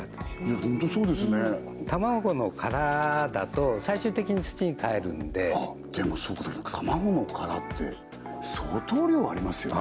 ホントそうですね卵の殻だと最終的に土に帰るのであっでもそうか卵の殻って相当量ありますよ